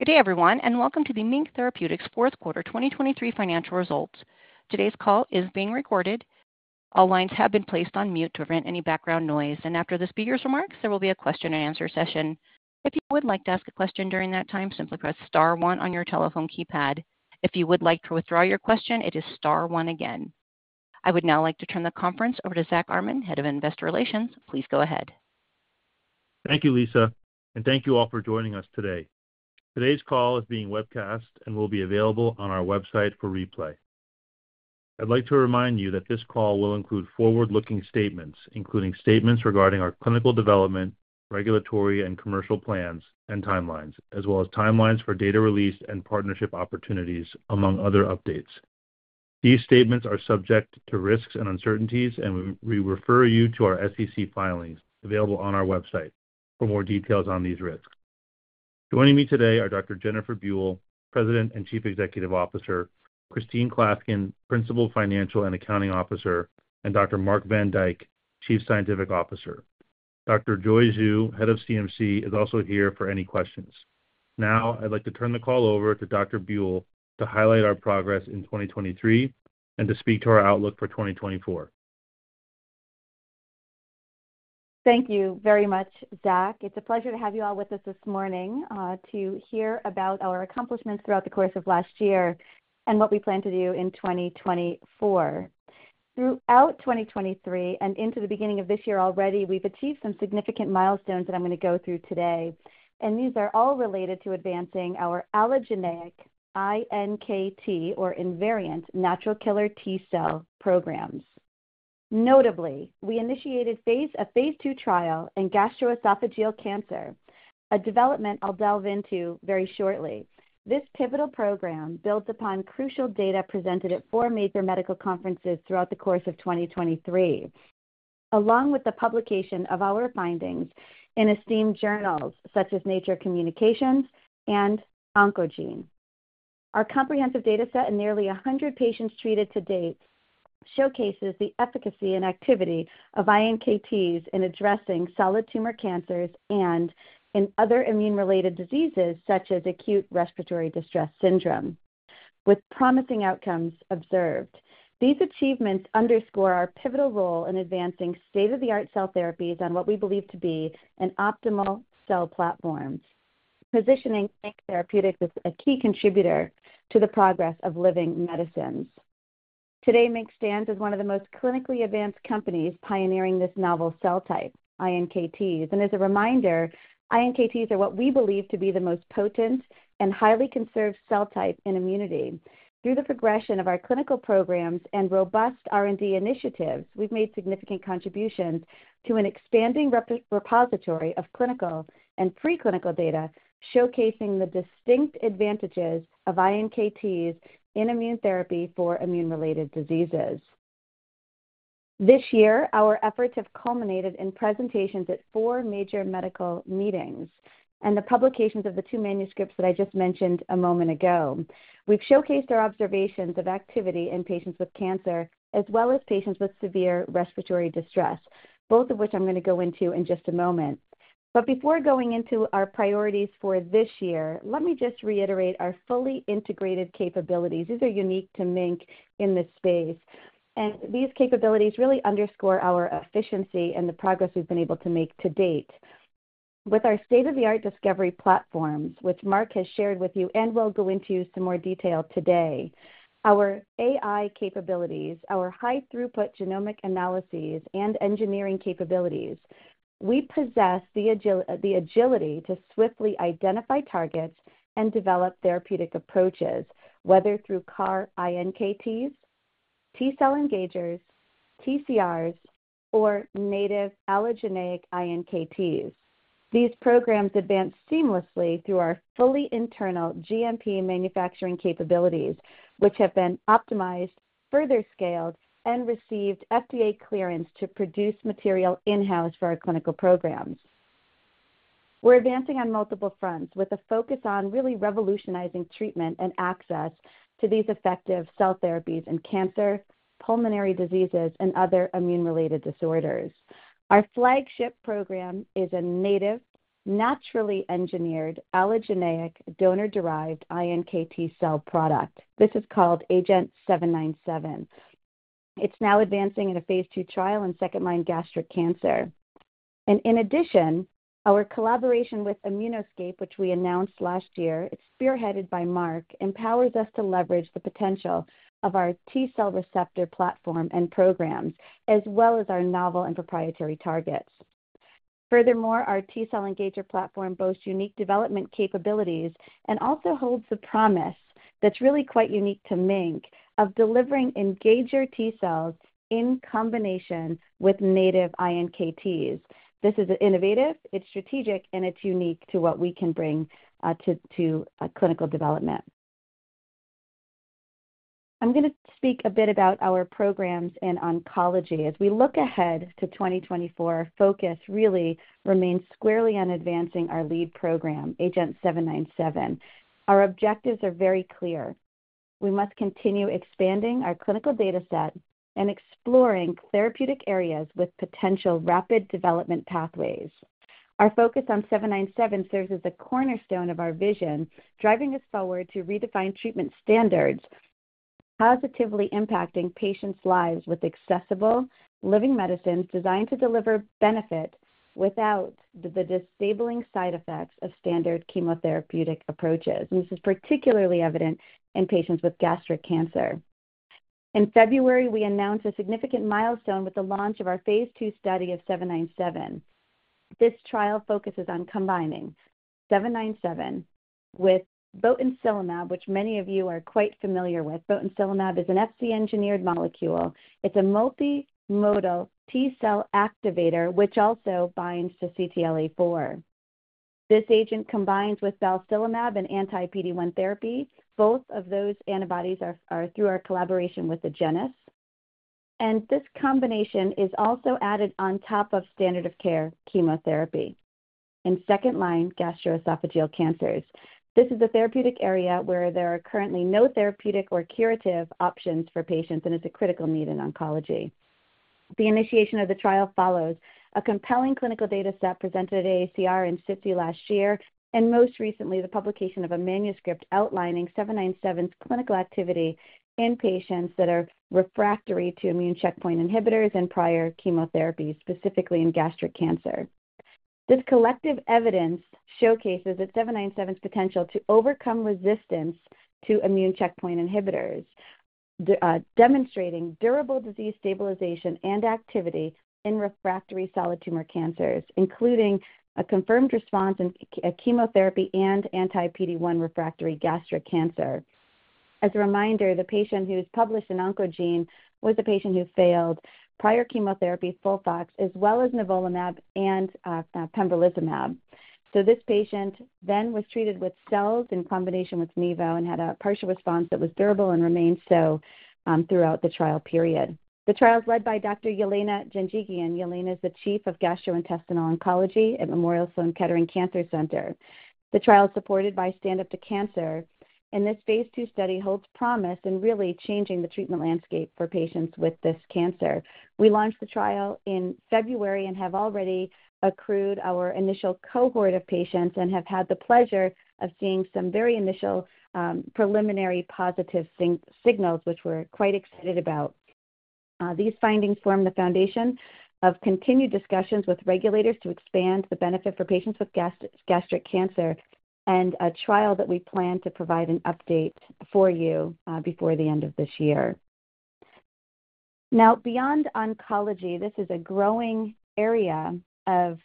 Good day everyone, and welcome to the MiNK Therapeutics fourth quarter 2023 financial results. Today's call is being recorded. All lines have been placed on mute to prevent any background noise, and after the speaker's remarks there will be a question-and-answer session. If you would like to ask a question during that time, simply press star one on your telephone keypad. If you would like to withdraw your question, it is star one again. I would now like to turn the conference over to Zack Armen, head of investor relations. Please go ahead. Thank you, Lisa, and thank you all for joining us today. Today's call is being webcast and will be available on our website for replay. I'd like to remind you that this call will include forward-looking statements, including statements regarding our clinical development, regulatory and commercial plans and timelines, as well as timelines for data release and partnership opportunities, among other updates. These statements are subject to risks and uncertainties, and we refer you to our SEC filings available on our website for more details on these risks. Joining me today are Dr. Jennifer Buell, President and Chief Executive Officer; Christine Klaskin, Principal Financial and Accounting Officer; and Dr. Marc van Dijk, Chief Scientific Officer. Dr. Joy Zhou, Head of CMC, is also here for any questions. Now I'd like to turn the call over to Dr. Buell. To highlight our progress in 2023 and to speak to our outlook for 2024. Thank you very much, Zack. It's a pleasure to have you all with us this morning to hear about our accomplishments throughout the course of last year and what we plan to do in 2024. Throughout 2023 and into the beginning of this year already, we've achieved some significant milestones that I'm going to go through today, and these are all related to advancing our allogeneic iNKT, or invariant natural killer T cell programs. Notably, we initiated a Phase 2 trial in gastroesophageal cancer, a development I'll delve into very shortly. This pivotal program builds upon crucial data presented at four major medical conferences throughout the course of 2023, along with the publication of our findings in esteemed journals such as Nature Communications and Oncogene. Our comprehensive dataset and nearly 100 patients treated to date showcases the efficacy and activity of iNKTs in addressing solid tumor cancers and in other immune-related diseases such as acute respiratory distress syndrome, with promising outcomes observed. These achievements underscore our pivotal role in advancing state-of-the-art cell therapies on what we believe to be an optimal cell platform, positioning MiNK Therapeutics as a key contributor to the progress of living medicines. Today, MiNK stands as one of the most clinically advanced companies pioneering this novel cell type, iNKTs, and as a reminder, iNKTs are what we believe to be the most potent and highly conserved cell type in immunity. Through the progression of our clinical programs and robust R&D initiatives, we've made significant contributions to an expanding repository of clinical and preclinical data showcasing the distinct advantages of iNKTs in immune therapy for immune-related diseases. This year, our efforts have culminated in presentations at four major medical meetings and the publications of the two manuscripts that I just mentioned a moment ago. We've showcased our observations of activity in patients with cancer as well as patients with severe respiratory distress, both of which I'm going to go into in just a moment. But before going into our priorities for this year, let me just reiterate our fully integrated capabilities. These are unique to MiNK in this space, and these capabilities really underscore our efficiency and the progress we've been able to make to date. With our state-of-the-art discovery platforms, which Marc has shared with you and will go into some more detail today, our AI capabilities, our high-throughput genomic analyses and engineering capabilities, we possess the agility to swiftly identify targets and develop therapeutic approaches, whether through CAR-iNKTs, T cell engagers, TCRs, or native allogeneic iNKTs. These programs advance seamlessly through our fully internal GMP manufacturing capabilities, which have been optimized, further scaled, and received FDA clearance to produce material in-house for our clinical programs. We're advancing on multiple fronts with a focus on really revolutionizing treatment and access to these effective cell therapies in cancer, pulmonary diseases, and other immune-related disorders. Our flagship program is a native, naturally engineered, allogeneic donor-derived iNKT cell product. This is called agenT-797. It's now advancing in a Phase 2 trial in second-line gastric cancer. In addition, our collaboration with ImmunoScape, which we announced last year, it's spearheaded by Marc, empowers us to leverage the potential of our T cell receptor platform and programs, as well as our novel and proprietary targets. Furthermore, our T cell engager platform boasts unique development capabilities and also holds the promise that's really quite unique to MiNK of delivering engager T cells in combination with native iNKTs. This is innovative, it's strategic, and it's unique to what we can bring to clinical development. I'm going to speak a bit about our programs in oncology. As we look ahead to 2024, our focus really remains squarely on advancing our lead program, agenT-797. Our objectives are very clear. We must continue expanding our clinical dataset and exploring therapeutic areas with potential rapid development pathways. Our focus on 797 serves as a cornerstone of our vision, driving us forward to redefine treatment standards, positively impacting patients' lives with accessible living medicines designed to deliver benefit without the disabling side effects of standard chemotherapeutic approaches. This is particularly evident in patients with gastric cancer. In February, we announced a significant milestone with the launch of our Phase 2 study of 797. This trial focuses on combining 797 with botensilimab, which many of you are quite familiar with. Botensilimab is an Fc-engineered molecule. It's a multimodal T cell activator, which also binds to CTLA-4. This agent combines with balstilimab, an anti-PD-1 therapy. Both of those antibodies are through our collaboration with Agenus. This combination is also added on top of standard of care chemotherapy in second-line gastroesophageal cancers. This is a therapeutic area where there are currently no therapeutic or curative options for patients, and it's a critical need in oncology. The initiation of the trial follows a compelling clinical dataset presented at AACR and SITC last year, and most recently, the publication of a manuscript outlining 797's clinical activity in patients that are refractory to immune checkpoint inhibitors and prior chemotherapies, specifically in gastric cancer. This collective evidence showcases that 797's potential to overcome resistance to immune checkpoint inhibitors demonstrates durable disease stabilization and activity in refractory solid tumor cancers, including a confirmed response in chemotherapy and anti-PD-1 refractory gastric cancer. As a reminder, the patient who's published in Oncogene was a patient who failed prior chemotherapy, FOLFOX, as well as nivolumab and pembrolizumab. So this patient then was treated with cells in combination with nivo and had a partial response that was durable and remained so throughout the trial period. The trial is led by Dr. Yelena Janjigian. Yelena is the chief of gastrointestinal oncology at Memorial Sloan Kettering Cancer Center. The trial is supported by Stand Up To Cancer, and this Phase 2 study holds promise in really changing the treatment landscape for patients with this cancer. We launched the trial in February and have already accrued our initial cohort of patients and have had the pleasure of seeing some very initial preliminary positive signals, which we're quite excited about. These findings form the foundation of continued discussions with regulators to expand the benefit for patients with gastric cancer and a trial that we plan to provide an update for you before the end of this year. Now, beyond oncology, this is a growing area of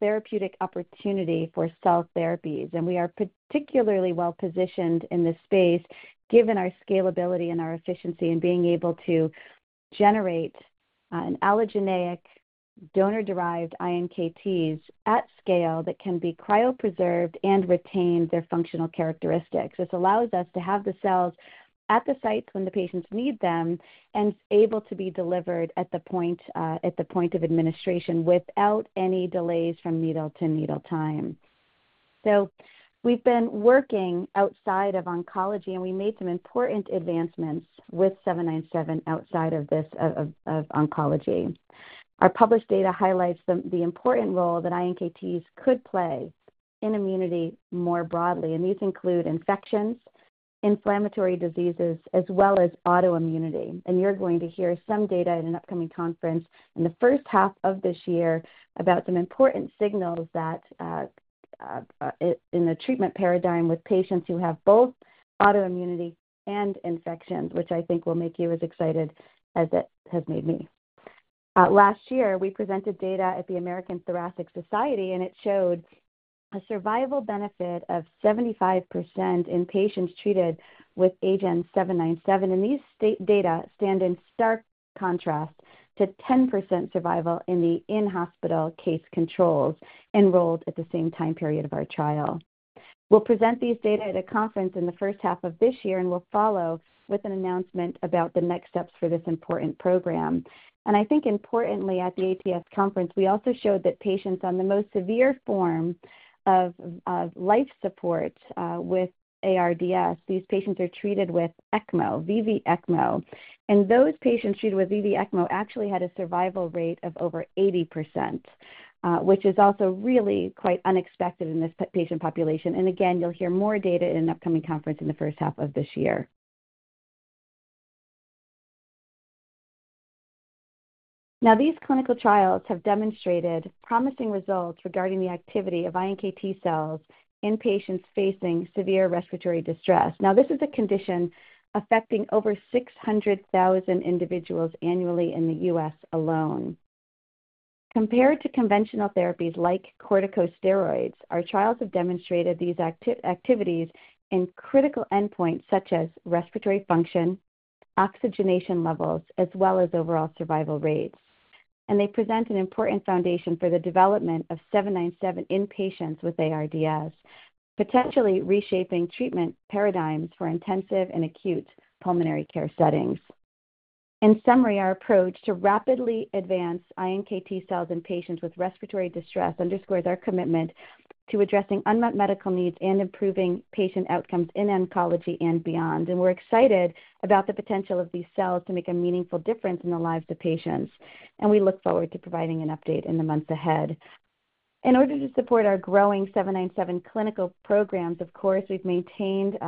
therapeutic opportunity for cell therapies, and we are particularly well positioned in this space given our scalability and our efficiency in being able to generate allogeneic donor-derived iNKTs at scale that can be cryopreserved and retain their functional characteristics. This allows us to have the cells at the sites when the patients need them and able to be delivered at the point of administration without any delays from needle to needle time. So we've been working outside of oncology, and we made some important advancements with 797 outside of oncology. Our published data highlights the important role that iNKTs could play in immunity more broadly, and these include infections, inflammatory diseases, as well as autoimmunity. You're going to hear some data at an upcoming conference in the first half of this year about some important signals in the treatment paradigm with patients who have both autoimmunity and infections, which I think will make you as excited as it has made me. Last year, we presented data at the American Thoracic Society, and it showed a survival benefit of 75% in patients treated with agenT-797, and these data stand in stark contrast to 10% survival in the in-hospital case controls enrolled at the same time period of our trial. We'll present these data at a conference in the first half of this year, and we'll follow with an announcement about the next steps for this important program. I think, importantly, at the ATS conference, we also showed that patients on the most severe form of life support with ARDS, these patients are treated with ECMO, VV-ECMO, and those patients treated with VV-ECMO actually had a survival rate of over 80%, which is also really quite unexpected in this patient population. And again, you'll hear more data at an upcoming conference in the first half of this year. Now, these clinical trials have demonstrated promising results regarding the activity of iNKT cells in patients facing severe respiratory distress. Now, this is a condition affecting over 600,000 individuals annually in the U.S. alone. Compared to conventional therapies like corticosteroids, our trials have demonstrated these activities in critical endpoints such as respiratory function, oxygenation levels, as well as overall survival rates. And they present an important foundation for the development of 797 in patients with ARDS, potentially reshaping treatment paradigms for intensive and acute pulmonary care settings. In summary, our approach to rapidly advance iNKT cells in patients with respiratory distress underscores our commitment to addressing unmet medical needs and improving patient outcomes in oncology and beyond. And we're excited about the potential of these cells to make a meaningful difference in the lives of patients, and we look forward to providing an update in the months ahead. In order to support our growing 797 clinical programs, of course, we've maintained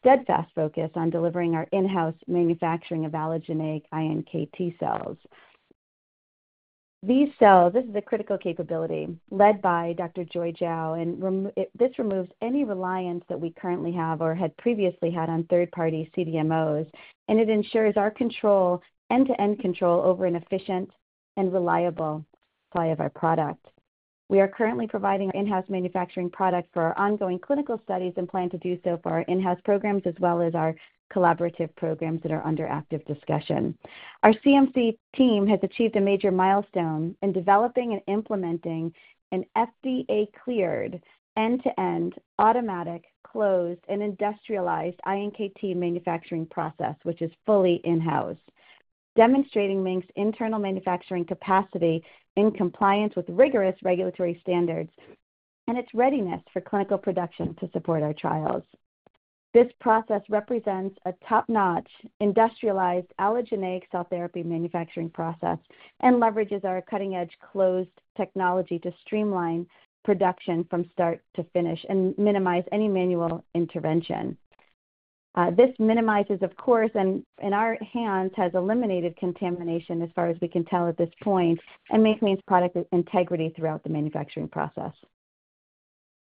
steadfast focus on delivering our in-house manufacturing of allogeneic iNKT cells. These cells—this is a critical capability led by Dr. Joy Zhou. And this removes any reliance that we currently have or had previously had on third-party CDMOs, and it ensures our end-to-end control over an efficient and reliable supply of our product. We are currently providing our in-house manufacturing product for our ongoing clinical studies and plan to do so for our in-house programs, as well as our collaborative programs that are under active discussion. Our CMC team has achieved a major milestone in developing and implementing an FDA-cleared end-to-end automatic, closed, and industrialized iNKT manufacturing process, which is fully in-house, demonstrating MiNK's internal manufacturing capacity in compliance with rigorous regulatory standards and its readiness for clinical production to support our trials. This process represents a top-notch industrialized allogeneic cell therapy manufacturing process and leverages our cutting-edge closed technology to streamline production from start to finish and minimize any manual intervention. This minimizes, of course, and in our hands, has eliminated contamination as far as we can tell at this point and maintains product integrity throughout the manufacturing process.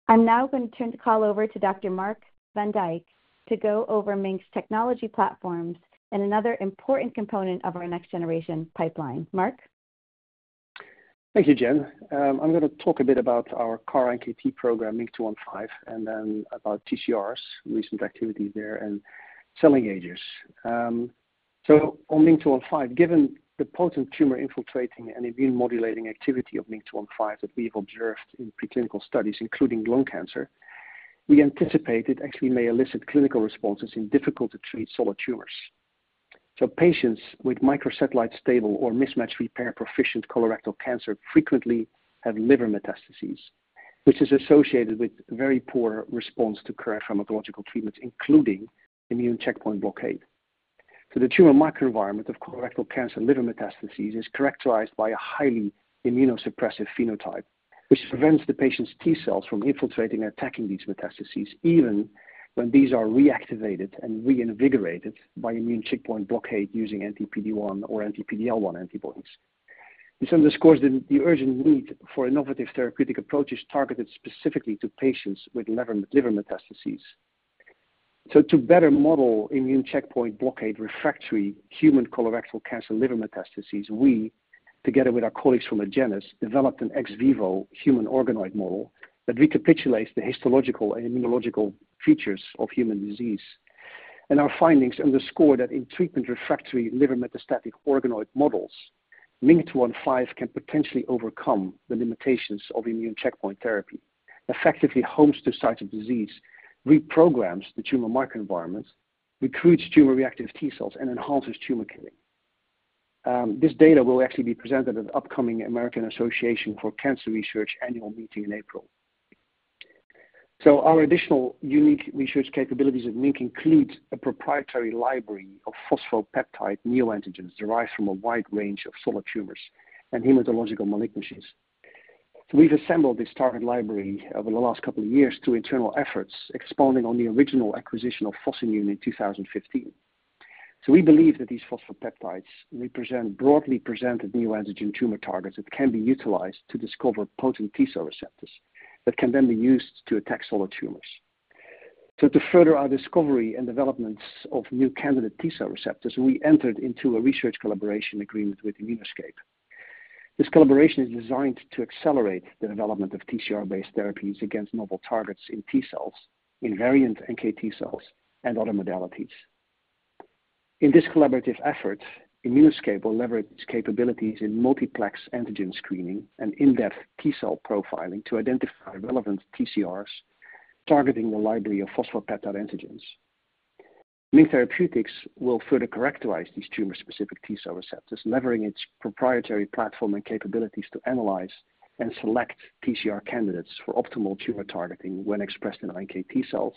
I'm now going to turn the call over to Dr. Marc van Dijk to go over MiNK's technology platforms and another important component of our next-generation pipeline. Marc? Thank you, Jen. I'm going to talk a bit about our CAR-iNKT program, MiNK-215, and then about TCRs, recent activities there, and cell engagers. So on MiNK-215, given the potent tumor-infiltrating and immune-modulating activity of MiNK-215 that we've observed in preclinical studies, including lung cancer, we anticipate it actually may elicit clinical responses in difficult-to-treat solid tumors. So patients with microsatellite-stable or mismatch-repair-proficient colorectal cancer frequently have liver metastases, which is associated with very poor response to current pharmacological treatments, including immune checkpoint blockade. So the tumor microenvironment of colorectal cancer liver metastases is characterized by a highly immunosuppressive phenotype, which prevents the patient's T cells from infiltrating and attacking these metastases, even when these are reactivated and reinvigorated by immune checkpoint blockade using anti-PD-1 or anti-PD-L1 antibodies. This underscores the urgent need for innovative therapeutic approaches targeted specifically to patients with liver metastases. So to better model immune checkpoint blockade refractory human colorectal cancer liver metastases, we, together with our colleagues from Agenus, developed an ex vivo human organoid model that recapitulates the histological and immunological features of human disease. And our findings underscore that in treatment-refractory liver metastatic organoid models, MiNK-215 can potentially overcome the limitations of immune checkpoint therapy, effectively homes to sites of disease, reprograms the tumor microenvironment, recruits tumor-reactive T cells, and enhances tumor killing. This data will actually be presented at the upcoming American Association for Cancer Research annual meeting in April. Our additional unique research capabilities at MiNK include a proprietary library of phosphopeptide neoantigens derived from a wide range of solid tumors and hematological malignancies. We've assembled this target library over the last couple of years through internal efforts, expounding on the original acquisition of PhosImmune in 2015. We believe that these phosphopeptides represent broadly presented neoantigen tumor targets that can be utilized to discover potent T cell receptors that can then be used to attack solid tumors. To further our discovery and developments of new candidate T cell receptors, we entered into a research collaboration agreement with ImmunoScape. This collaboration is designed to accelerate the development of TCR-based therapies against novel targets in T cells, invariant NKT cells, and other modalities. In this collaborative effort, ImmunoScape will leverage its capabilities in multiplex antigen screening and in-depth T cell profiling to identify relevant TCRs targeting the library of phosphopeptide antigens. MiNK Therapeutics will further characterize these tumor-specific T cell receptors, leveraging its proprietary platform and capabilities to analyze and select TCR candidates for optimal tumor targeting when expressed in iNKT cells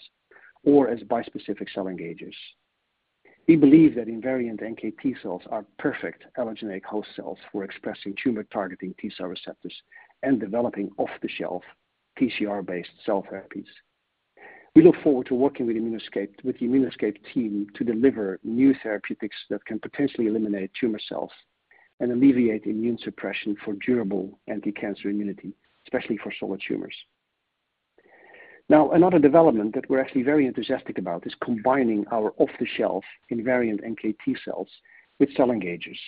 or as bispecific cell engagers. We believe that iNKT cells are perfect allogeneic host cells for expressing tumor-targeting T cell receptors and developing off-the-shelf TCR-based cell therapies. We look forward to working with ImmunoScape team to deliver new therapeutics that can potentially eliminate tumor cells and alleviate immune suppression for durable anti-cancer immunity, especially for solid tumors. Now, another development that we're actually very enthusiastic about is combining our off-the-shelf invariant NKT cells with cell engagers,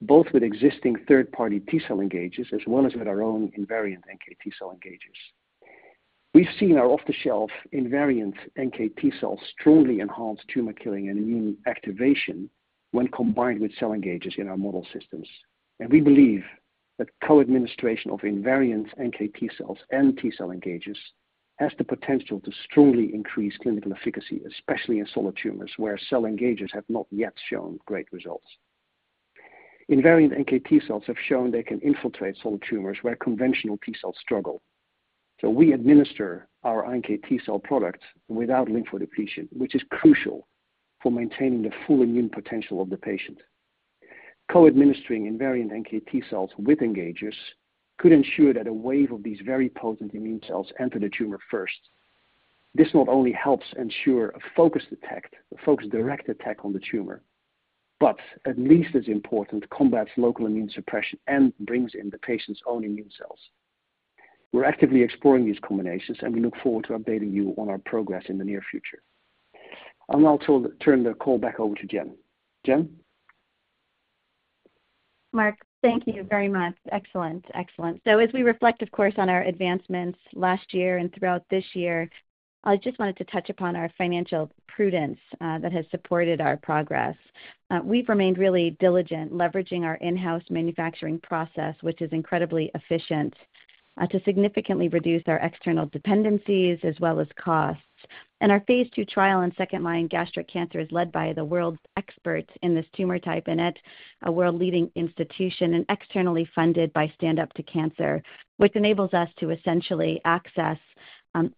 both with existing third-party T cell engagers as well as with our own invariant NKT cell engagers. We've seen our off-the-shelf invariant NKT cells strongly enhance tumor killing and immune activation when combined with cell engagers in our model systems. We believe that co-administration of invariant NKT cells and T cell engagers has the potential to strongly increase clinical efficacy, especially in solid tumors where cell engagers have not yet shown great results. Invariant NKT cells have shown they can infiltrate solid tumors where conventional T cells struggle. We administer our iNKT cell product without lymphodepletion, which is crucial for maintaining the full immune potential of the patient. Co-administering invariant NKT cells with engagers could ensure that a wave of these very potent immune cells enter the tumor first. This not only helps ensure a focused attack, a focused direct attack on the tumor, but at least as important, combats local immune suppression and brings in the patient's own immune cells. We're actively exploring these combinations, and we look forward to updating you on our progress in the near future. I'll now turn the call back over to Jen. Jen? Marc, thank you very much. Excellent, excellent. So as we reflect, of course, on our advancements last year and throughout this year, I just wanted to touch upon our financial prudence that has supported our progress. We've remained really diligent leveraging our in-house manufacturing process, which is incredibly efficient, to significantly reduce our external dependencies as well as costs. Our Phase 2 trial in second-line gastric cancer is led by the world's expert in this tumor type and at a world-leading institution and externally funded by Stand Up To Cancer, which enables us to essentially access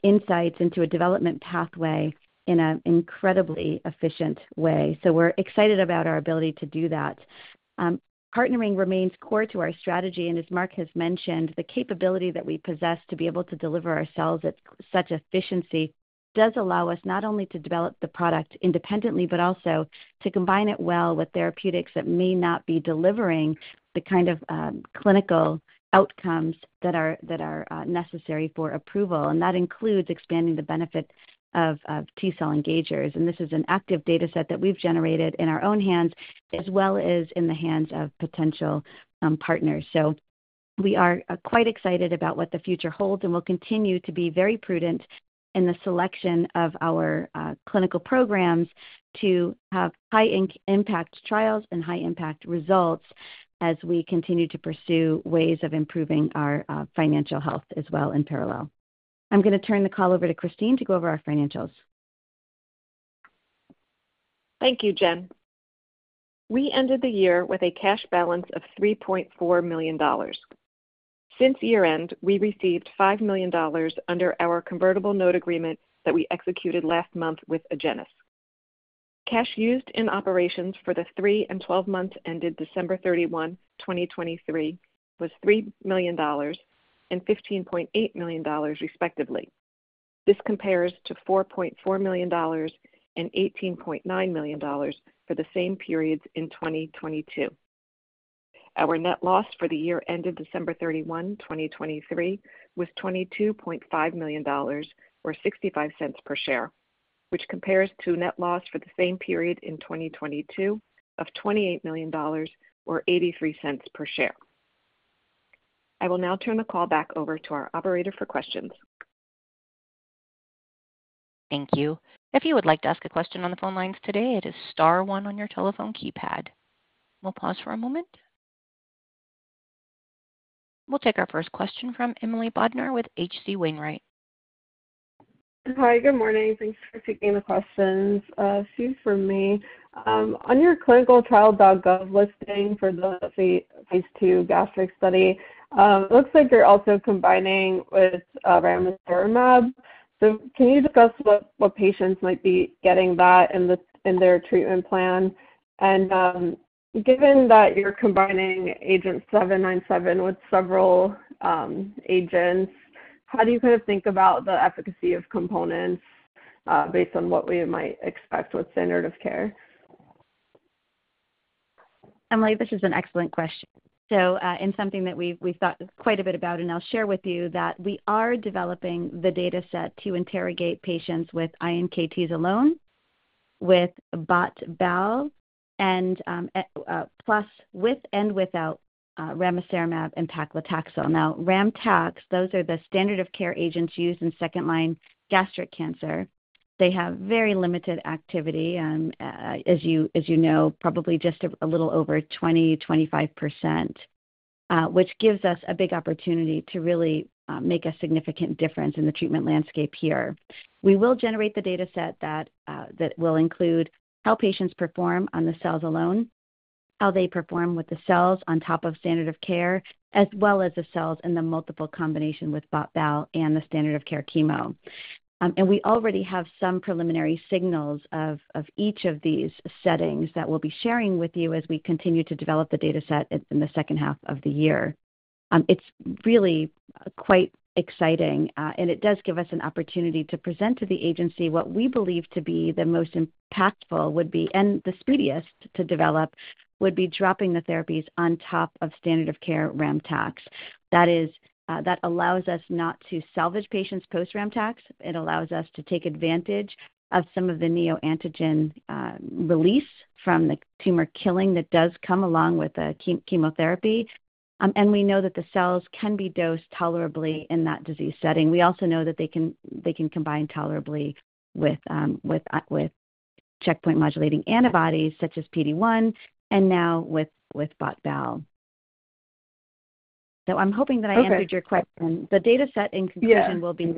insights into a development pathway in an incredibly efficient way. We're excited about our ability to do that. Partnering remains core to our strategy, and as Marc has mentioned, the capability that we possess to be able to deliver our cells at such efficiency does allow us not only to develop the product independently but also to combine it well with therapeutics that may not be delivering the kind of clinical outcomes that are necessary for approval. That includes expanding the benefit of T cell engagers. This is an active dataset that we've generated in our own hands as well as in the hands of potential partners. We are quite excited about what the future holds, and we'll continue to be very prudent in the selection of our clinical programs to have high-impact trials and high-impact results as we continue to pursue ways of improving our financial health as well in parallel. I'm going to turn the call over to Christine to go over our financials. Thank you, Jen. We ended the year with a cash balance of $3.4 million. Since year-end, we received $5 million under our convertible note agreement that we executed last month with Agenus. Cash used in operations for the three and 12 months ended December 31, 2023, was $3 million and $15.8 million, respectively. This compares to $4.4 million and $18.9 million for the same periods in 2022. Our net loss for the year ended December 31, 2023, was $22.5 million or $0.65 per share, which compares to net loss for the same period in 2022 of $28 million or $0.83 per share. I will now turn the call back over to our operator for questions. Thank you. If you would like to ask a question on the phone lines today, it is star 1 on your telephone keypad. We'll pause for a moment. We'll take our first question from Emily Bodnar with H.C. Wainwright. Hi, good morning. Thanks for taking the questions. Excuse me. On your ClinicalTrials.gov listing for the Phase 2 gastric study, it looks like you're also combining with ramucirumab. So can you discuss what patients might be getting that in their treatment plan? Given that you're combining agenT-797 with several agents, how do you kind of think about the efficacy of components based on what we might expect with standard of care? Emily, this is an excellent question. So in something that we've thought quite a bit about, and I'll share with you, that we are developing the dataset to interrogate patients with iNKTs alone, with botensilimab plus with and without ramucirumab and paclitaxel. Now, RamTax, those are the standard of care agents used in second-line gastric cancer. They have very limited activity, as you know, probably just a little over 20%-25%, which gives us a big opportunity to really make a significant difference in the treatment landscape here. We will generate the dataset that will include how patients perform on the cells alone, how they perform with the cells on top of standard of care, as well as the cells in the multiple combination with botensilimab and the standard of care chemo. We already have some preliminary signals of each of these settings that we'll be sharing with you as we continue to develop the dataset in the second half of the year. It's really quite exciting, and it does give us an opportunity to present to the agency what we believe to be the most impactful would be and the speediest to develop would be dropping the therapies on top of standard of care ramucirumab. That allows us not to salvage patients post-ramucirumab. It allows us to take advantage of some of the neoantigen release from the tumor killing that does come along with chemotherapy. And we know that the cells can be dosed tolerably in that disease setting. We also know that they can combine tolerably with checkpoint modulating antibodies such as PD-1 and now with botensilimab. So I'm hoping that I answered your question. The dataset, in conclusion, will be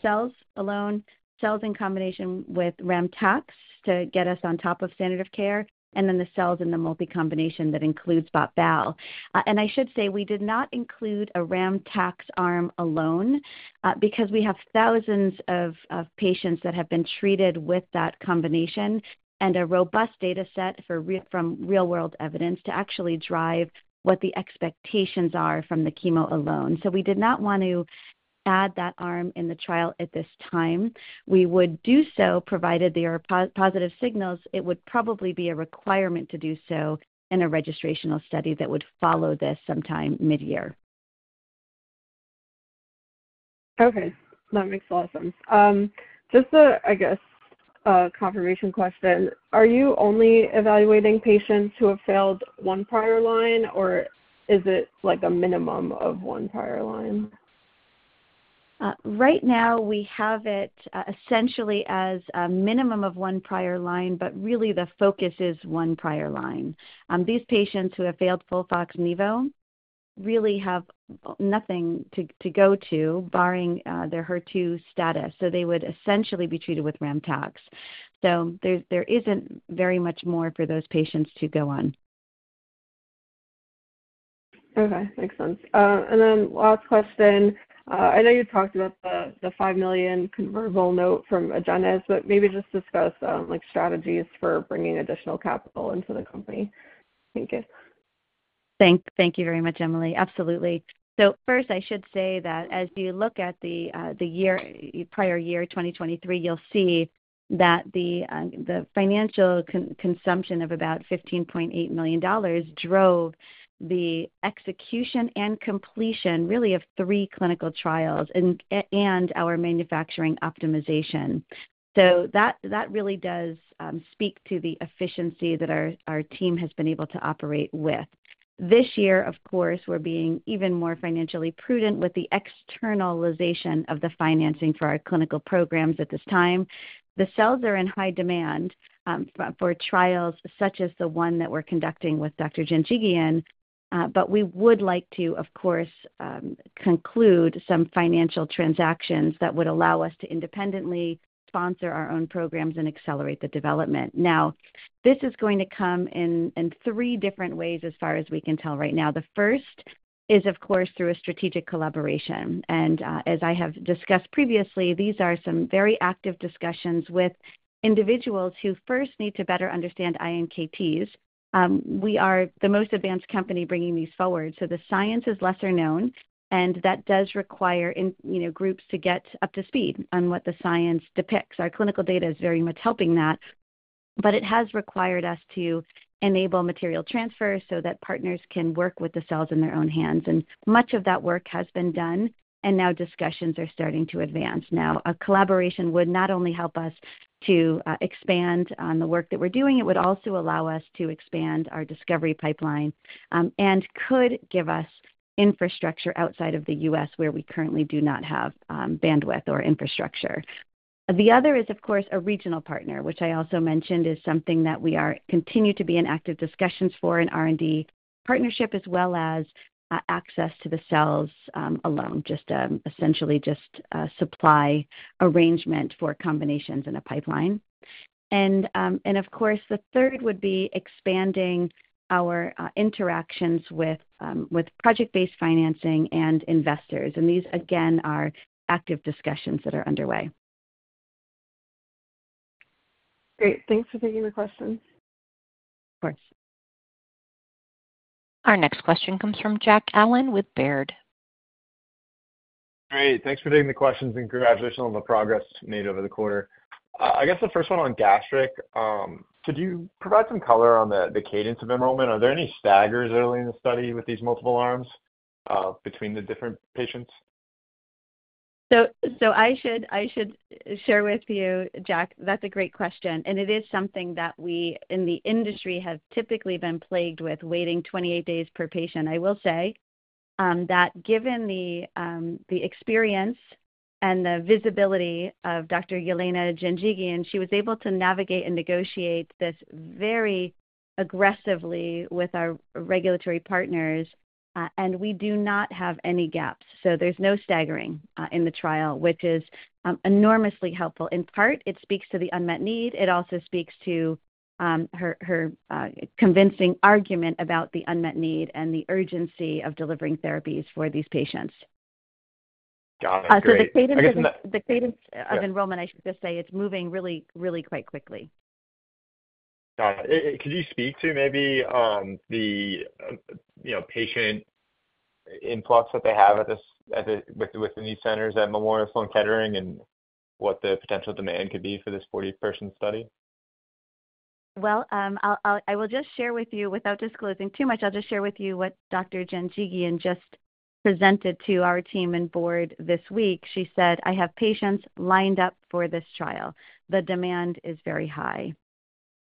cells alone, cells in combination with ramucirumab to get us on top of standard of care, and then the cells in the multi-combination that includes botensilimab. And I should say we did not include a ramucirumab arm alone because we have thousands of patients that have been treated with that combination and a robust dataset from real-world evidence to actually drive what the expectations are from the chemo alone. So we did not want to add that arm in the trial at this time. We would do so, provided there are positive signals. It would probably be a requirement to do so in a registrational study that would follow this sometime mid-year. Okay. That makes a lot of sense. Just a, I guess, confirmation question. Are you only evaluating patients who have failed one prior line, or is it a minimum of one prior line? Right now, we have it essentially as a minimum of one prior line, but really the focus is one prior line. These patients who have failed FOLFOX/nivo really have nothing to go to, barring their HER2 status. So they would essentially be treated with ramucirumab. So there isn't very much more for those patients to go on. Okay. Makes sense. And then last question. I know you talked about the $5 million convertible note from Agenus, but maybe just discuss strategies for bringing additional capital into the company. Thank you. Thank you very much, Emily. Absolutely. First, I should say that as you look at the prior year, 2023, you'll see that the financial consumption of about $15.8 million drove the execution and completion, really, of three clinical trials and our manufacturing optimization. So that really does speak to the efficiency that our team has been able to operate with. This year, of course, we're being even more financially prudent with the externalization of the financing for our clinical programs at this time. The cells are in high demand for trials such as the one that we're conducting with Dr. Yelena Janjigian. But we would like to, of course, conclude some financial transactions that would allow us to independently sponsor our own programs and accelerate the development. Now, this is going to come in three different ways, as far as we can tell right now. The first is, of course, through a strategic collaboration. As I have discussed previously, these are some very active discussions with individuals who first need to better understand iNKTs. We are the most advanced company bringing these forward. The science is lesser known, and that does require groups to get up to speed on what the science depicts. Our clinical data is very much helping that. It has required us to enable material transfer so that partners can work with the cells in their own hands. Much of that work has been done, and now discussions are starting to advance. A collaboration would not only help us to expand on the work that we're doing, it would also allow us to expand our discovery pipeline and could give us infrastructure outside of the U.S. where we currently do not have bandwidth or infrastructure. The other is, of course, a regional partner, which I also mentioned is something that we continue to be in active discussions for in R&D partnership, as well as access to the cells alone, essentially just supply arrangement for combinations in a pipeline. And of course, the third would be expanding our interactions with project-based financing and investors. And these, again, are active discussions that are underway. Great. Thanks for taking the questions. Of course. Our next question comes from Jack Allen with Baird. Great. Thanks for taking the questions and congratulations on the progress made over the quarter. I guess the first one on gastric. Could you provide some color on the cadence of enrollment? Are there any staggers early in the study with these multiple arms between the different patients? So I should share with you, Jack, that's a great question. And it is something that we in the industry have typically been plagued with, waiting 28 days per patient. I will say that given the experience and the visibility of Dr. Yelena Janjigian, she was able to navigate and negotiate this very aggressively with our regulatory partners. And we do not have any gaps. So there's no staggering in the trial, which is enormously helpful. In part, it speaks to the unmet need. It also speaks to her convincing argument about the unmet need and the urgency of delivering therapies for these patients. Got it. Great. I guess the cadence of enrollment, I should just say, it's moving really, really quite quickly. Got it. Could you speak to maybe the patient influx that they have with the new centers at Memorial Sloan Kettering and what the potential demand could be for this 40-person study? Well, I will just share with you without disclosing too much. I'll just share with you what Dr. Yelena Janjigian just presented to our team and board this week. She said, "I have patients lined up for this trial. The demand is very high."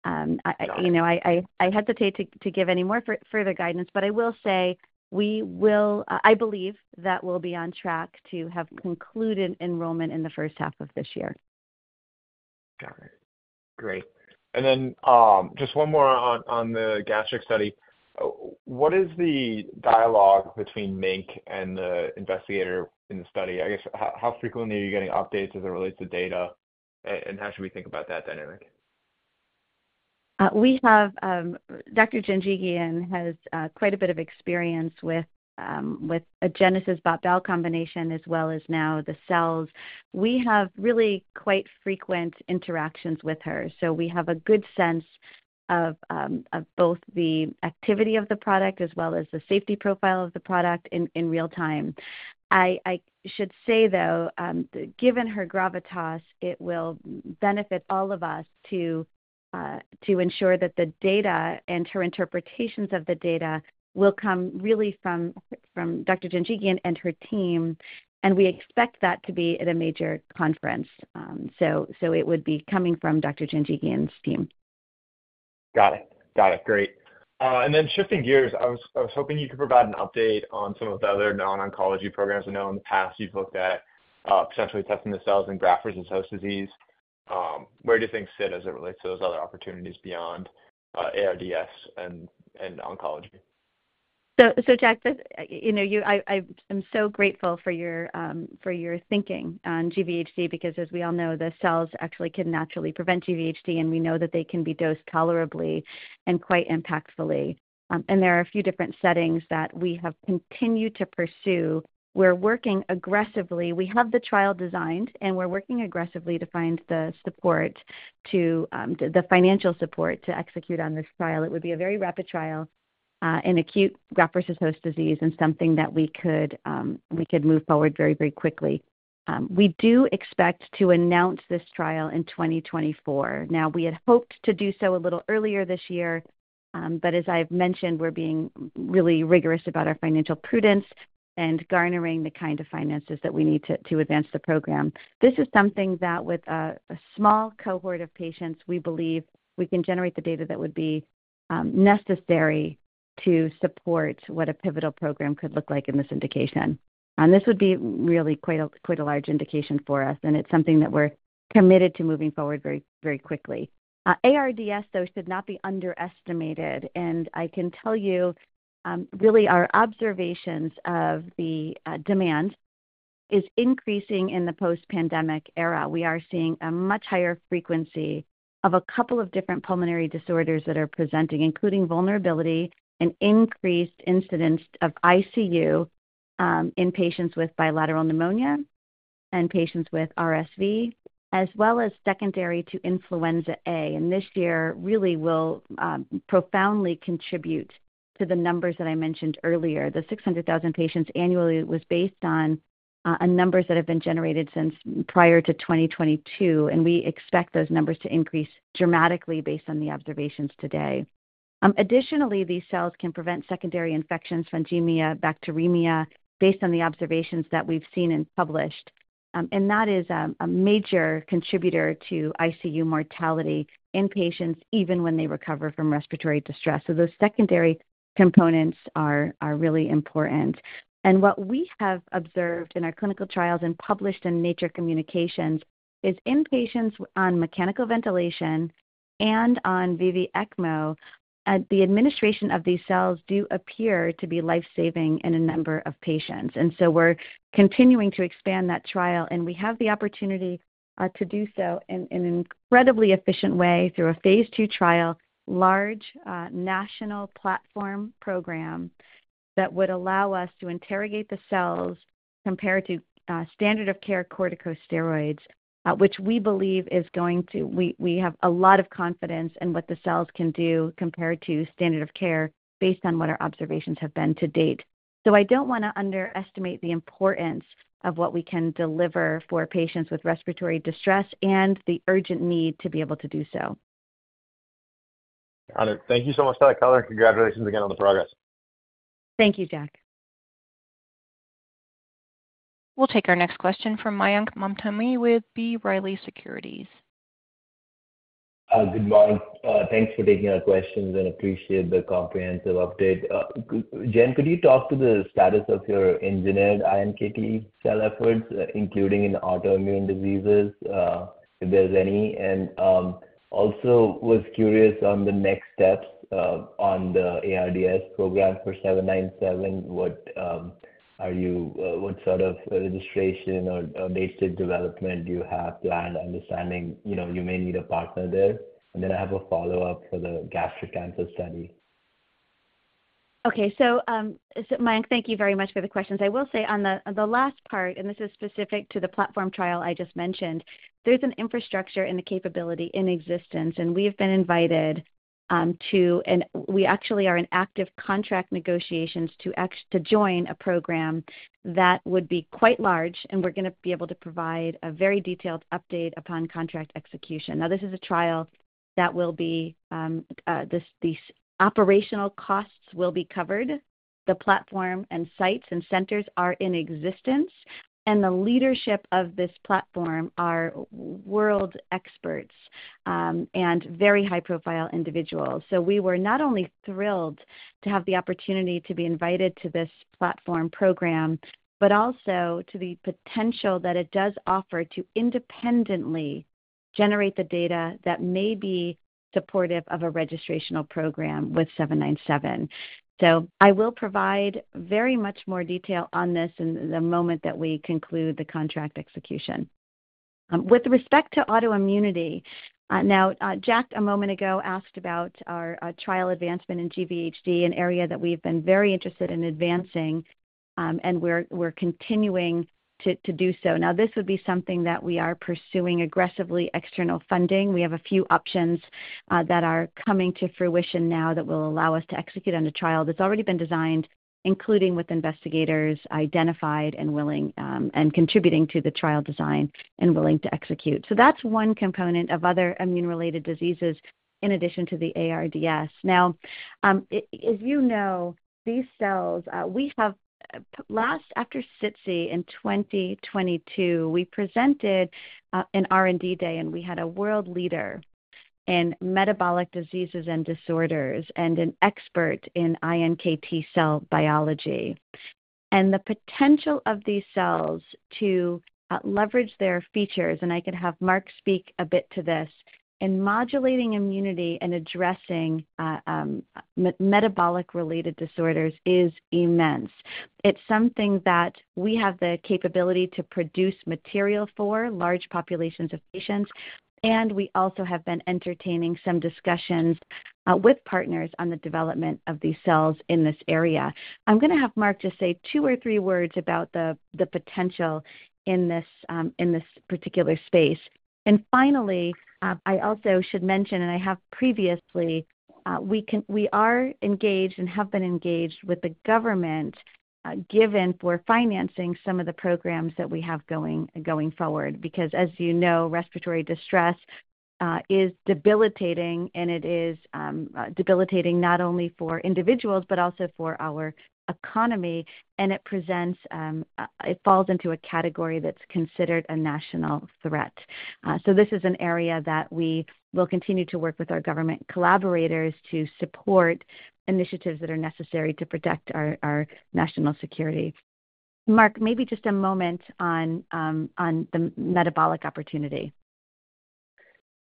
I hesitate to give any more further guidance, but I will say we will, I believe that we'll be on track to have concluded enrollment in the first half of this year. Got it. Great. And then just one more on the gastric study. What is the dialogue between MiNK and the investigator in the study? I guess how frequently are you getting updates as it relates to data, and how should we think about that dynamic? Dr. Yelena Janjigian has quite a bit of experience with Agenus's botensilimab-balstilimab combination, as well as now the cells. We have really quite frequent interactions with her. So we have a good sense of both the activity of the product as well as the safety profile of the product in real time. I should say, though, given her gravitas, it will benefit all of us to ensure that the data and her interpretations of the data will come really from Dr. Yelena Janjigian and her team. And we expect that to be at a major conference. So it would be coming from Dr. Yelena Janjigian's team. Got it. Got it. Great. And then shifting gears, I was hoping you could provide an update on some of the other non-oncology programs I know in the past you've looked at, potentially testing the cells in graft-versus-host disease. Where do things sit as it relates to those other opportunities beyond ARDS and oncology? So Jack, I am so grateful for your thinking on GVHD because, as we all know, the cells actually can naturally prevent GVHD, and we know that they can be dosed tolerably and quite impactfully. There are a few different settings that we have continued to pursue. We're working aggressively. We have the trial designed, and we're working aggressively to find the financial support to execute on this trial. It would be a very rapid trial in acute graft-versus-host disease and something that we could move forward very, very quickly. We do expect to announce this trial in 2024. Now, we had hoped to do so a little earlier this year. But as I've mentioned, we're being really rigorous about our financial prudence and garnering the kind of finances that we need to advance the program. This is something that with a small cohort of patients, we believe we can generate the data that would be necessary to support what a pivotal program could look like in this indication. And this would be really quite a large indication for us, and it's something that we're committed to moving forward very, very quickly. ARDS, though, should not be underestimated. And I can tell you, really, our observations of the demand is increasing in the post-pandemic era. We are seeing a much higher frequency of a couple of different pulmonary disorders that are presenting, including vulnerability and increased incidence of ICU in patients with bilateral pneumonia and patients with RSV, as well as secondary to influenza A. And this year really will profoundly contribute to the numbers that I mentioned earlier. The 600,000 patients annually was based on numbers that have been generated prior to 2022, and we expect those numbers to increase dramatically based on the observations today. Additionally, these cells can prevent secondary infections, fungemia, bacteremia, based on the observations that we've seen and published. That is a major contributor to ICU mortality in patients, even when they recover from respiratory distress. So those secondary components are really important. What we have observed in our clinical trials and published in Nature Communications is in patients on mechanical ventilation and on VV-ECMO, the administration of these cells do appear to be lifesaving in a number of patients. And so we're continuing to expand that trial, and we have the opportunity to do so in an incredibly efficient way through a Phase 2 trial, large national platform program that would allow us to interrogate the cells compared to standard-of-care corticosteroids, which we believe is going to we have a lot of confidence in what the cells can do compared to standard-of-care based on what our observations have been to date. So I don't want to underestimate the importance of what we can deliver for patients with respiratory distress and the urgent need to be able to do so. Got it. Thank you so much, Jack Allen. Congratulations again on the progress. Thank you, Jack. We'll take our next question from Mayank Mamtani with B. Riley Securities. Good morning. Thanks for taking our questions and appreciate the comprehensive update. Jen, could you talk to the status of your engineered iNKT cell efforts, including in autoimmune diseases, if there's any? And also, I was curious on the next steps on the ARDS program for 797. What sort of registration or data development do you have planned, understanding you may need a partner there? And then I have a follow-up for the gastric cancer study. Okay. So Mayank, thank you very much for the questions. I will say on the last part, and this is specific to the platform trial I just mentioned, there's an infrastructure and a capability in existence. And we have been invited to and we actually are in active contract negotiations to join a program that would be quite large, and we're going to be able to provide a very detailed update upon contract execution. Now, this is a trial that will be these operational costs will be covered. The platform and sites and centers are in existence. And the leadership of this platform are world experts and very high-profile individuals. So we were not only thrilled to have the opportunity to be invited to this platform program but also to the potential that it does offer to independently generate the data that may be supportive of a registrational program with 797. So I will provide very much more detail on this in the moment that we conclude the contract execution. With respect to autoimmunity, now, Jack, a moment ago, asked about our trial advancement in GVHD, an area that we've been very interested in advancing, and we're continuing to do so. Now, this would be something that we are pursuing aggressively, external funding. We have a few options that are coming to fruition now that will allow us to execute on a trial that's already been designed, including with investigators identified and contributing to the trial design and willing to execute. So that's one component of other immune-related diseases in addition to the ARDS. Now, as you know, these cells we have last, after SITC in 2022, we presented an R&D day, and we had a world leader in metabolic diseases and disorders and an expert in iNKT cell biology. And the potential of these cells to leverage their features and I could have Marc speak a bit to this in modulating immunity and addressing metabolic-related disorders is immense. It's something that we have the capability to produce material for, large populations of patients. And we also have been entertaining some discussions with partners on the development of these cells in this area. I'm going to have Marc just say two or three words about the potential in this particular space. And finally, I also should mention, and I have previously we are engaged and have been engaged with the government, given we're financing some of the programs that we have going forward because, as you know, respiratory distress is debilitating, and it is debilitating not only for individuals but also for our economy. And it falls into a category that's considered a national threat. So this is an area that we will continue to work with our government collaborators to support initiatives that are necessary to protect our national security. Marc, maybe just a moment on the metabolic opportunity.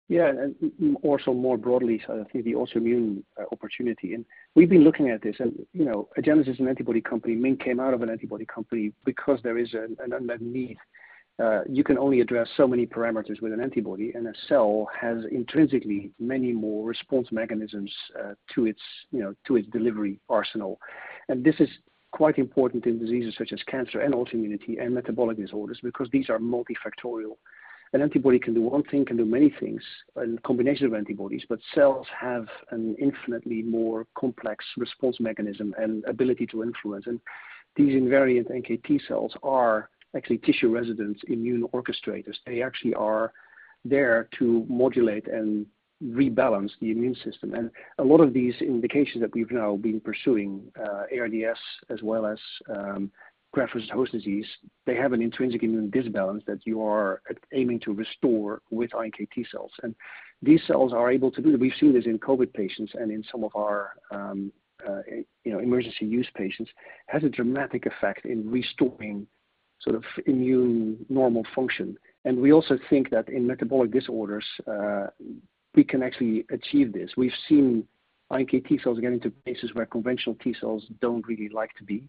Yeah. And also more broadly, I think the autoimmune opportunity. And we've been looking at this. And Agenus is an antibody company. MiNK came out of an antibody company because there is an unmet need. You can only address so many parameters with an antibody, and a cell has intrinsically many more response mechanisms to its delivery arsenal. This is quite important in diseases such as cancer and autoimmunity and metabolic disorders because these are multifactorial. An antibody can do one thing, can do many things, a combination of antibodies, but cells have an infinitely more complex response mechanism and ability to influence. These invariant NKT cells are actually tissue-resident immune orchestrators. They actually are there to modulate and rebalance the immune system. A lot of these indications that we've now been pursuing, ARDS as well as graft-versus-host disease, have an intrinsic immune imbalance that you are aiming to restore with iNKT cells. These cells are able to do that. We've seen this in COVID patients and in some of our emergency use patients. It has a dramatic effect in restoring sort of immune normal function. And we also think that in metabolic disorders, we can actually achieve this. We've seen iNKT cells get into places where conventional T cells don't really like to be.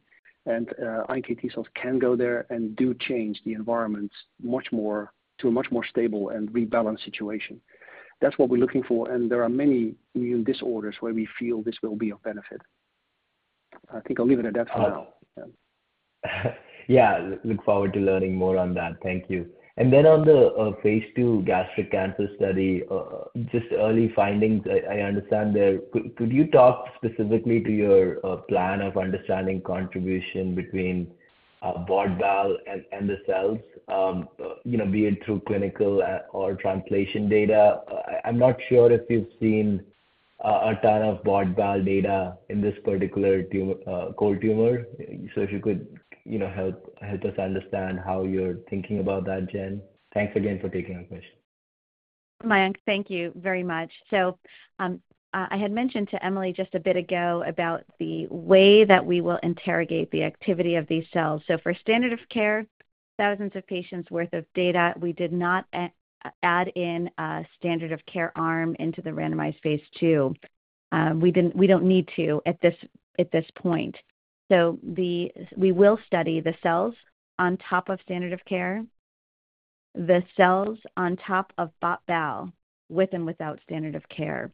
And iNKT cells can go there and do change the environment to a much more stable and rebalanced situation. That's what we're looking for. And there are many immune disorders where we feel this will be of benefit. I think I'll leave it at that for now. Yeah. Look forward to learning more on that. Thank you. And then on the Phase 2 gastric cancer study, just early findings, I understand there. Could you talk specifically to your plan of understanding contribution between botensilimab and the cells, be it through clinical or translational data? I'm not sure if you've seen a ton of botensilimab data in this particular cold tumor. So if you could help us understand how you're thinking about that, Jen. Thanks again for taking our question. Mayank, thank you very much. So I had mentioned to Emily just a bit ago about the way that we will interrogate the activity of these cells. So for standard-of-care, thousands of patients' worth of data, we did not add in a standard-of-care arm into the randomized Phase 2. We don't need to at this point. So we will study the cells on top of standard-of-care, the cells on top of botensilimab with and without standard-of-care.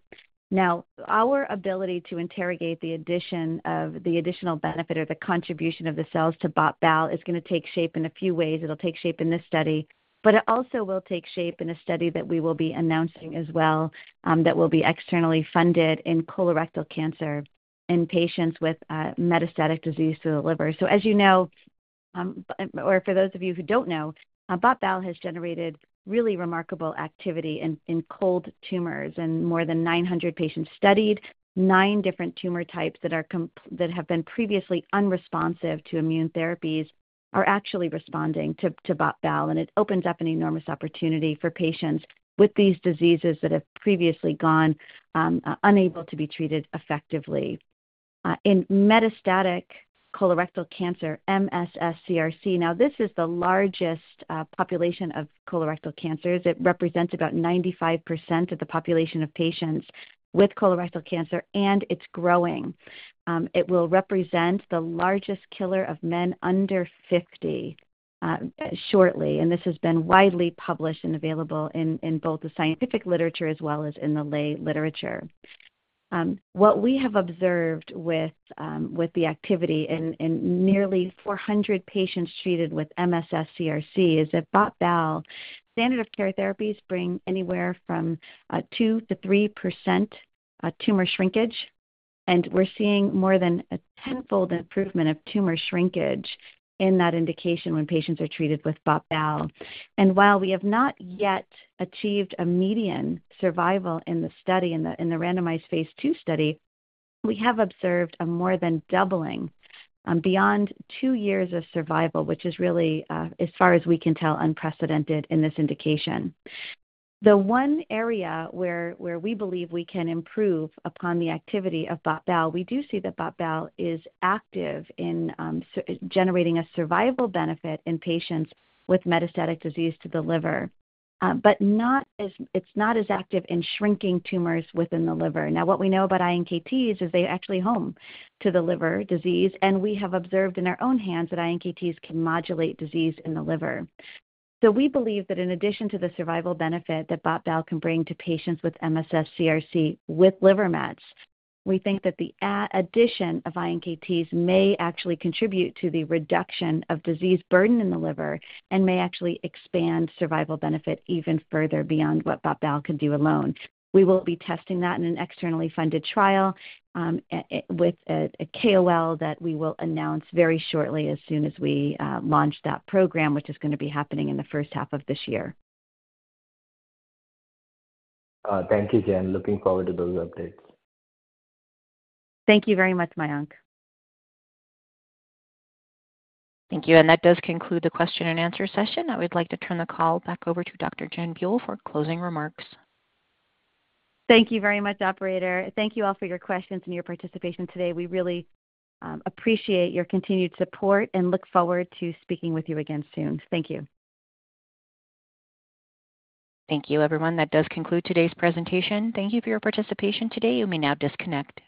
Now, our ability to interrogate the addition of the additional benefit or the contribution of the cells to botensilimab is going to take shape in a few ways. It'll take shape in this study. But it also will take shape in a study that we will be announcing as well that will be externally funded in colorectal cancer in patients with metastatic disease to the liver. So as you know or for those of you who don't know, botensilimab has generated really remarkable activity in cold tumors. And more than 900 patients studied, 9 different tumor types that have been previously unresponsive to immune therapies are actually responding to botensilimab. And it opens up an enormous opportunity for patients with these diseases that have previously gone unable to be treated effectively. In metastatic colorectal cancer, MSS-CRC now, this is the largest population of colorectal cancers. It represents about 95% of the population of patients with colorectal cancer, and it's growing. It will represent the largest killer of men under 50 shortly. This has been widely published and available in both the scientific literature as well as in the lay literature. What we have observed with the activity in nearly 400 patients treated with MSS-CRC is that bot/bal standard-of-care therapies bring anywhere from 2%-3% tumor shrinkage. And we're seeing more than a tenfold improvement of tumor shrinkage in that indication when patients are treated with bot/bal. And while we have not yet achieved a median survival in the study, in the randomized Phase 2 study, we have observed a more than doubling beyond 2 years of survival, which is really, as far as we can tell, unprecedented in this indication. The one area where we believe we can improve upon the activity of botensilimab, we do see that botensilimab is active in generating a survival benefit in patients with metastatic disease to the liver, but it's not as active in shrinking tumors within the liver. Now, what we know about iNKTs is they actually home to the liver disease. And we have observed in our own hands that iNKTs can modulate disease in the liver. So we believe that in addition to the survival benefit that botensilimab can bring to patients with MSS-CRC with liver mets, we think that the addition of iNKTs may actually contribute to the reduction of disease burden in the liver and may actually expand survival benefit even further beyond what botensilimab could do alone. We will be testing that in an externally funded trial with a KOL that we will announce very shortly as soon as we launch that program, which is going to be happening in the first half of this year. Thank you, Jen. Looking forward to those updates. Thank you very much, Mayank. Thank you. That does conclude the question-and-answer session. I would like to turn the call back over to Dr. Jennifer Buell for closing remarks. Thank you very much, operator. Thank you all for your questions and your participation today. We really appreciate your continued support and look forward to speaking with you again soon. Thank you. Thank you, everyone. That does conclude today's presentation. Thank you for your participation today. You may now disconnect.